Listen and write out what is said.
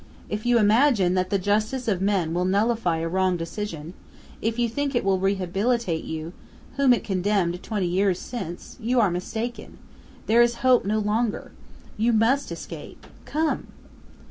If you imagine that the justice of men will nullify a wrong decision, if you think it will rehabilitate you whom it condemned twenty years since, you are mistaken! There is hope no longer! You must escape! Come!"